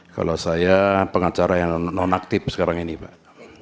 kalau saya pengacara yang nonaktif sekarang ini pak